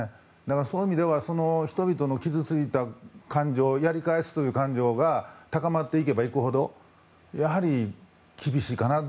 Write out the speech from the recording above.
そういう意味では人々の傷ついた感情やり返すという感情が高まっていけばいくほどやはり、厳しいかなと。